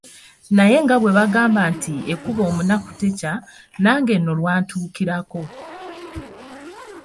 Naye nga bwe bagamba nti; "ekuba omunaku tekya." nange nno lwantuukirako.